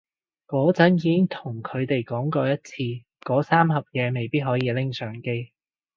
嗰陣已經同佢哋講過一次嗰三盒嘢未必可以拎上機